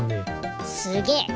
すげえ。